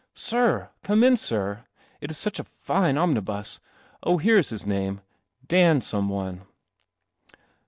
" Sir ; come in, sir. It is such a fine omni bus. Oh, here is his name — Dan some one." 74 THE CE1